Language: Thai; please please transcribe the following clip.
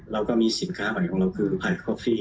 เราก็มีสินค้าใหม่ของเราคือพายคอฟฟี่